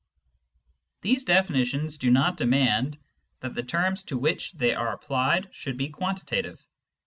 These definitions do not demand that the terms to which they are applied should be quantitative.